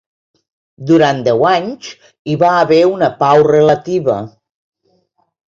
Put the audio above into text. Durant deu anys hi va haver una pau relativa.